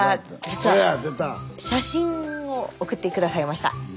実は写真を送って下さいました。